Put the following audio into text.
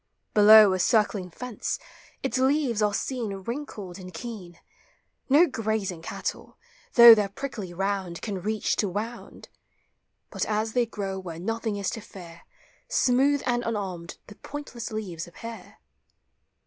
Below, a circling fence, its leaves are seen Wrinkled and keen ; No grazing cattle, through their prickly round, Can reach to wound; But as they grow where nothing is to fear, Smooth and unarmed the pointless leaves appear.